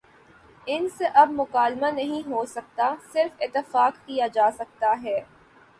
ان سے اب مکالمہ نہیں ہو سکتا صرف اتفاق کیا جا سکتا ہے۔